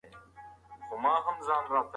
د وسايلو استهلاک بايد حساب سي.